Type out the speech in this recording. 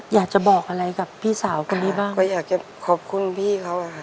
อยากจะบอกอะไรกับพี่สาวคนนี้บ้างก็อยากจะขอบคุณพี่เขาอะค่ะ